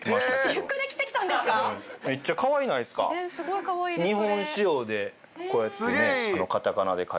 すごいかわいいですそれ。